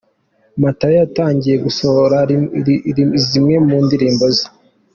matayo yatangiye gusohora zimwe mu ndirimbo ze